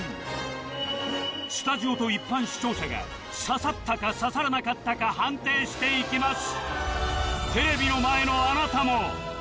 スタジオと一般視聴者が刺さったか刺さらなかったか判定していきます